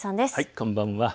こんばんは。